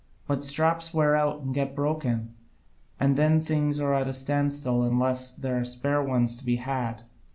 But straps wear out and get broken and then things are at a standstill unless there are spare ones to be had.